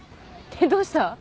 どうした？